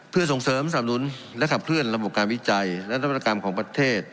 เพื่อส่งเสริมสนับสนุนและขับเคลื่อนระบบการวิจัยและนวัตกรรมของประเทศ